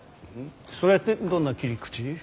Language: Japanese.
それってどんな切り口？